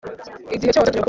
igihe cyose, gutinyuka kuba